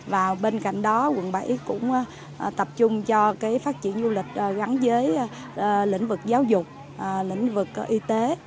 và bên cạnh đó quận bảy cũng tập trung cho phát triển du lịch gắn với lĩnh vực giáo dục lĩnh vực y tế